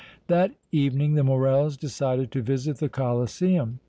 That evening the Morrels' decided to visit the Colosseum.